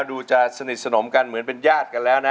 ดูจะสนิทสนมกันเหมือนเป็นญาติกันแล้วนะ